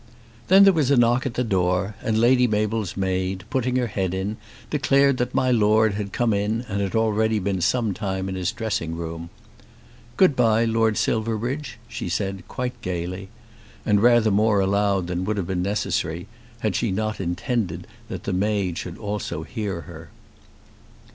Then there was a knock at the door, and Lady Mabel's maid, putting her head in, declared that my Lord had come in and had already been some time in his dressing room. "Good bye, Lord Silverbridge," she said quite gaily, and rather more aloud than would have been necessary, had she not intended that the maid also should hear her.